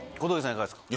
いかがですか？